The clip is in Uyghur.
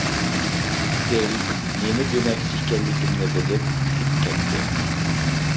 دىل نېمە دېمەكچى ئىكەنلىكىمنى بىلىپ كۈلۈپ كەتتى.